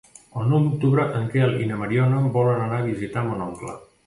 El nou d'octubre en Quel i na Mariona volen anar a visitar mon oncle.